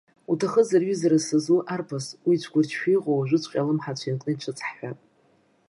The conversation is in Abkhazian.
Уҭахызар ҩызара сызу, арԥыс, уи ицәгәырчшәа иҟоу уажәыҵәҟьа алымҳацә ианкны ицәыҵаҳҳәап.